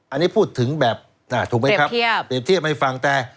อันนี้พูดถึงแบบเต็บเทียบถูกไหมครับเต็บเทียบให้ฟังแต่